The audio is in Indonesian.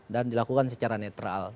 dan dilakukan secara netral